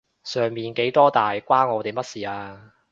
上面幾多大關我哋乜事啊？